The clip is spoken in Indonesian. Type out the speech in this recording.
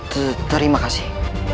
tuh terima kasih